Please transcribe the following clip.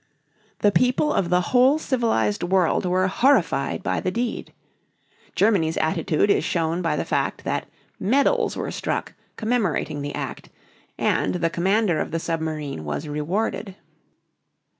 The people of the whole civilized world were horrified by the deed. Germany's attitude is shown by the fact that medals were struck commemorating the act, and the commander of the submarine was rewarded.